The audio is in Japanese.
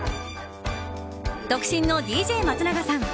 独身のＤＪ松永さん